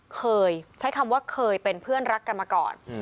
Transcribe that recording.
เคยใช้คำว่าเคยเป็นเพื่อนรักกันมาก่อน